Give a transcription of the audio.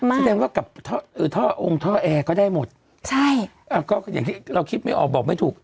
แสดงว่ากับท่อแอร์ก็ได้หมดอย่างที่เราคิดไม่ออกบอกไม่ถูก